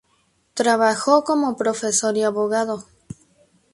Trabajó como profesor y abogado.